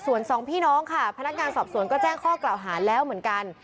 ส่วนสองพี่น้องค่ะพนักงานสอบสวนก็แจ้งข้อกล่าวหาแล้วเหมือนกัน